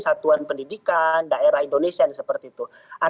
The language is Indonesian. satuan pendidikan daerah indonesia seperti itu